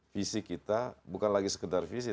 visi kita bukan lagi sekedar visi